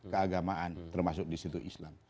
keagamaan termasuk di situ islam